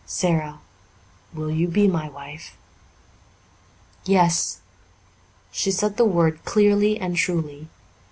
"Sara, will you be my wife?" "Yes." She said the word clearly and truly.